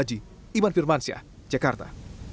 haji iman firmansyah jakarta